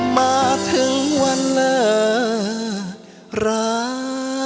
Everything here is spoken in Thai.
มาถึงวันเลิกรา